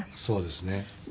そうですね。